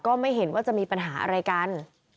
ไม่เห็นว่าจะมีปัญหาอะไรกัน